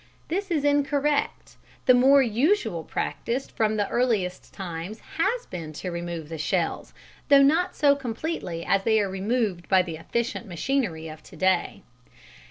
This is incorrect, the more usual practice from the earliest times has been to remove the shells, though not so completely as they are removed by the efficient machinery of to day.